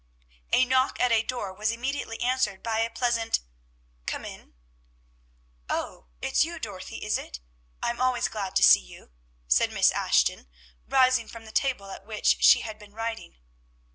A knock at a door was immediately answered by a pleasant "Come in." "Oh, it's you, Dorothy, is it? I'm always glad to see you," said Miss Ashton, rising from the table at which she had been writing.